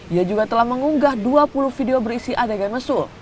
ia juga telah mengunggah dua puluh video berisi adegan mesul